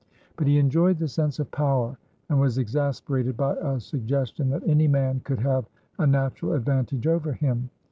But he enjoyed the sense of power, and was exasperated by a suggestion that any man could have a natural advantage over him.